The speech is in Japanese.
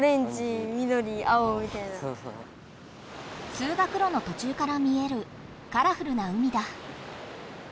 通学ろのとちゅうから見えるカラフルな海だ。